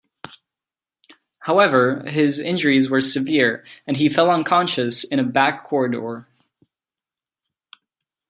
However, his injuries were severe and he fell unconscious in a back corridor.